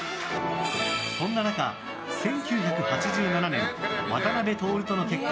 そんな中、１９８７年渡辺徹との結婚